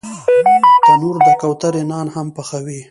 تنور د کوترې نان هم پخوي